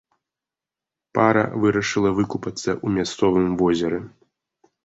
Пара вырашыла выкупацца ў мясцовым возеры.